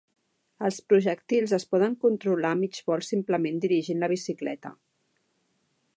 Els projectils es poden controlar a mig vol simplement dirigint la bicicleta.